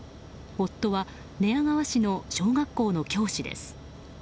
夫は寝屋川市の小学校の教師です。